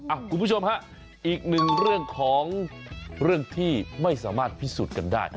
คุณผู้ชมฮะอีกหนึ่งเรื่องของเรื่องที่ไม่สามารถพิสูจน์กันได้